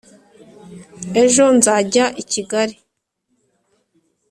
ejo nzajya i kigali